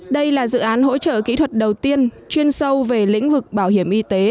đây là dự án hỗ trợ kỹ thuật đầu tiên chuyên sâu về lĩnh vực bảo hiểm y tế